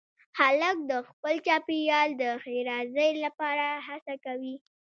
هلک د خپل چاپېریال د ښېرازۍ لپاره هڅه کوي.